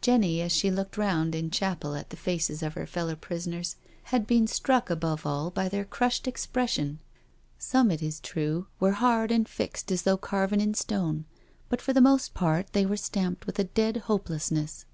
Jenny, as she looked round in chapel at the faces of her fellow prisoners, had been struck above all by their crushed expression. Some, it is true, were hard and fixed as though carven in stone, but for the most part they were stamped with a dead hopelessness.